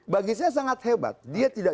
bagi saya sangat hebat dia tidak